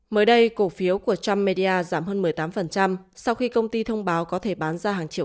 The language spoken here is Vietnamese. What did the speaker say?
mới đây cổ phiếu của trump media giảm hơn một mươi tám sau khi công ty thông báo có thể bán ra hàng triệu